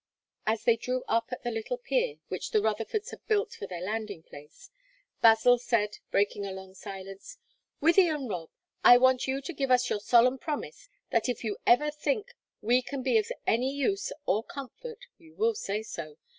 As they drew up at the little pier which the Rutherfords had built for their landing place, Basil said, breaking a long silence: "Wythie and Rob, I want you to give us your solemn promise that if ever you think we can be of any use or comfort, you will say so.